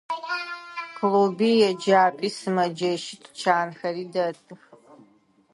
Клуби, еджапӏи, сымэджэщи, тучанхэри дэтых.